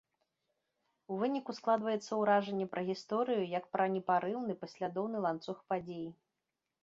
У выніку складваецца ўражанне пра гісторыю як пра непарыўны, паслядоўны ланцуг падзей.